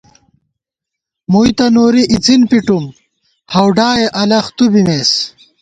مُوئی تہ نوری اِڅِن پِٹُوم، ہؤڈائے الَخ تُو بِمېس